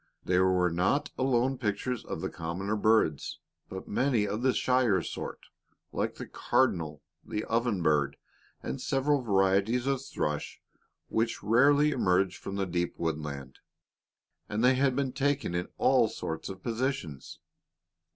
There were not alone pictures of the commoner birds, but many of the shyer sort, like the cardinal, the oven bird, and several varieties of thrush which rarely emerge from the deep woodland, and they had been taken in all sorts of positions.